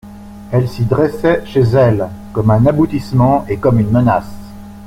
Elle s'y dressait chez elle, comme un aboutissement et comme une menace.